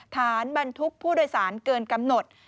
บรรทุกผู้โดยสารเกินกำหนด